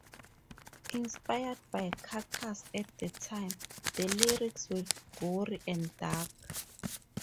Inspired by Carcass at the time, the lyrics were gory and dark.